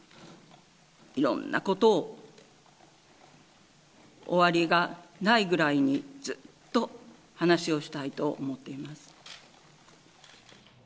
いろんなことを終わりがないぐらいに、ずっと話をしたいと思っています。